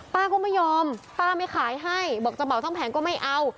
ป้าก็ไม่ยอมป้าไม่ขายให้บอกจะเหมาทั้งแผงก็ไม่เอา